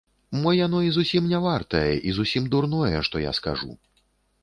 Мо яно і зусім не вартае і зусім дурное, што я кажу.